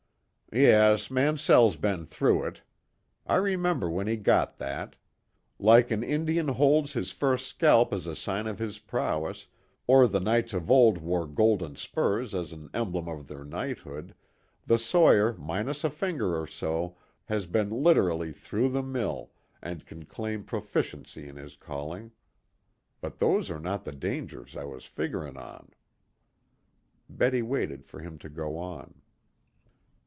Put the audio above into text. "Yes, Mansell's been through it. I remember when he got that. Like an Indian holds his first scalp as a sign of his prowess, or the knights of old wore golden spurs as an emblem of their knighthood, the sawyer minus a finger or so has been literally 'through the mill,' and can claim proficiency in his calling. But those are not the dangers I was figgering on." Betty waited for him to go on.